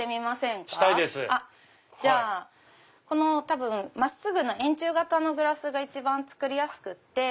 多分真っすぐな円柱型のグラスが一番作りやすくって。